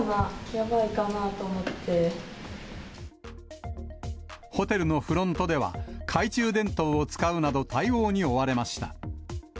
やばいかなとホテルのフロントでは、懐中電灯を使うなど対応に追われました。